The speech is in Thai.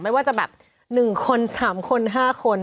ไม่ว่าจะแบบ๑คน๓คน๕คน